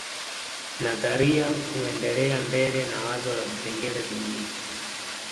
Nadharia huendelea mbele na wazo la vipengele vingine